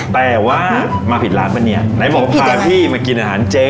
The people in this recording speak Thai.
แต่ว่ามาผิดร้านปะเนี่ยไหนบอกว่าพาพี่มากินอาหารเจ๊